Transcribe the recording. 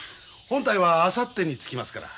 本隊はあさってに着きますから。